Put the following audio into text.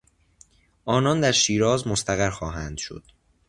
آنان در شیراز مستقر خواهند شد.